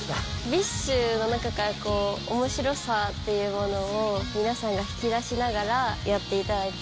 ＢｉＳＨの中からおもしろさっていうものを皆さんが引き出しながらやっていただいて。